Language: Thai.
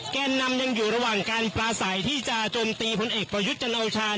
แกนนำยังอยู่ระหว่างการปลาใสที่จะจมตีผลเอกประยุทธ์จันโอชา